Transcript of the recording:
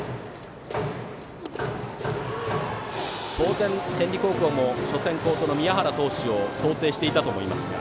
当然、天理高校も初戦、好投の宮原投手を想定していたと思いますが。